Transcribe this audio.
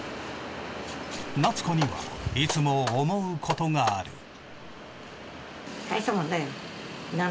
夏子にはいつも思うことがある。